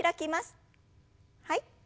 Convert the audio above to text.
はい。